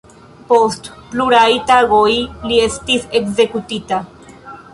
Post pluraj tagoj li estis ekzekutita.